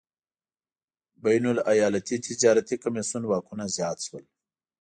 بین الایالتي تجارتي کمېسیون واکونه زیات شول.